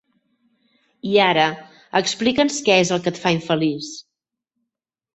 I ara, explica'ns què és el que et fa infeliç.